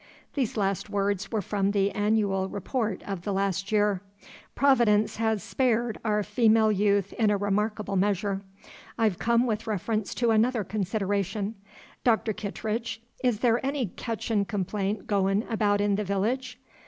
(These last words were from the Annual Report of the past year.) "Providence has spared our female youth in a remarkable measure. I've come with reference to another consideration. Dr. Kittredge, is there any ketchin' complaint goin' about in the village?"